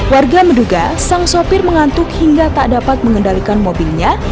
warga menduga sang sopir mengantuk hingga tak dapat mengendalikan mobilnya